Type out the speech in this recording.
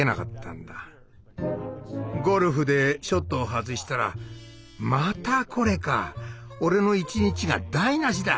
ゴルフでショットを外したら「またこれか。俺の一日が台なしだ！